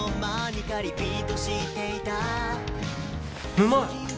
うまい！